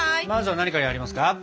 まずは何からやりますか？